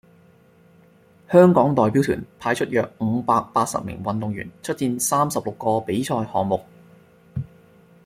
香港代表團派出約五百八十名運動員出戰三十六個比賽項目